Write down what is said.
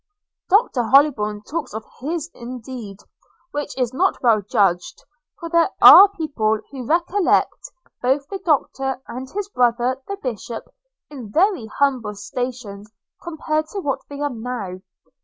– Dr Hollybourn talks of his indeed, which is not well judged; for there are people who recollect both the Doctor and his brother, the bishop, in very humble stations compared to what they are now.